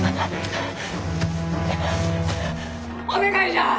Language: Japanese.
お願いじゃ！